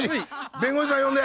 弁護士さん呼んで！